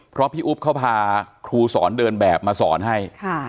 เพราะพี่อุ๊บเขาพาครูสอนเดินแบบมาสอนให้